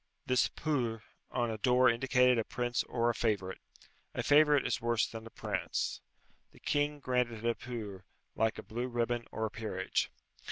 '" This pour on a door indicated a prince or a favourite. A favourite is worse than a prince. The king granted le pour, like a blue ribbon or a peerage.